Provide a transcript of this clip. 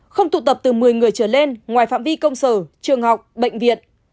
không tụ tập từ một mươi người trở lên ngoài phạm vi công sở trường học bệnh viện